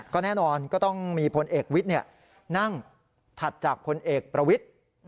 ก็แน่นอนก็ต้องมีพลเอกวิทย์นั่งถัดจากพลเอกประวิทธิ์